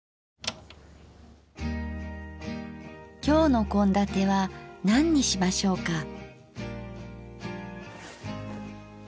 今日の献立は何にしましょうか？